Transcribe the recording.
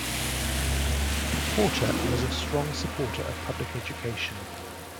Porter was a strong supporter of public education.